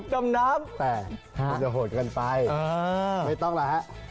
ดำน้ำแต่จะโหดกันไปไม่ต้องแล้วครับ